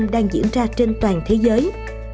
đang diễn ra trên toàn thế giới